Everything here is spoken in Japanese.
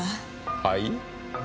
はい？